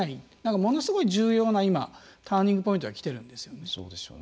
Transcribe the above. ものすごい重要な今ターニングポイントが来ているんですよね。